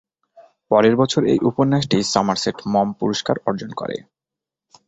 পরের বছর এই উপন্যাসটি সমারসেট মম পুরস্কার অর্জন করেন।